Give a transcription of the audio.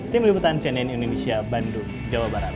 tim liputan cnn indonesia bandung jawa barat